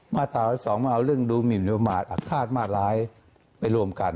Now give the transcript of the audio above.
มาตรา๑๐๒เราเอาเรื่องดูอภิมธ์อัฆภาษณ์มาตรร้ายไปรวมกัน